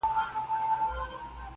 څرخ یې وخوړ او کږه سوه ناببره،